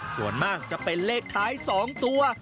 ส่วนมากจะเป็นเลขท้าย๒ตัว